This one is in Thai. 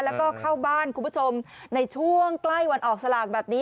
แล้วก็เข้าบ้านคุณผู้ชมในช่วงใกล้วันออกสลากแบบนี้